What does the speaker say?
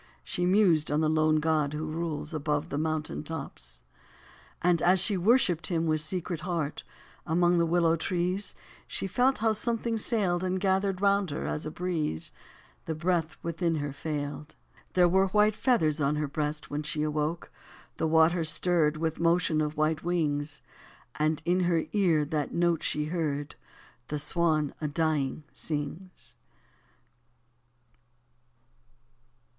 She mused on the lone god who rules Above the mountain tops. And, as she worshipped him with secret heart, among the willow trees She felt how something sailed And gathered round her as a breeze : The breath within her failed. There were white feathers on her breast when she awoke ; the water stirred With motion of white wings, And in her ear that note she heard The swan a dying sings.